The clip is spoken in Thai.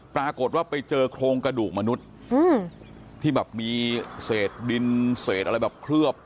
ปรากฏว่าไปเจอโครงกระดูกมนุษย์ที่แบบมีเศษดินเศษอะไรแบบเคลือบ